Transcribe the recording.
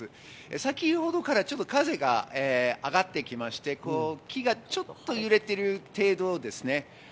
先ほどから風が吹いてきまして、木がちょっと揺れている程度です。